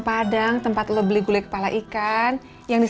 padang tempat lo beli gulai kepala ikan yang di